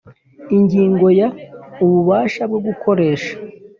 Ingingo ya ububasha bwo gukoresha